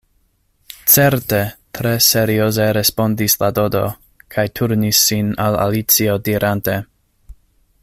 “Certe,” tre serioze respondis la Dodo, kaj turnis sin al Alicio dirante: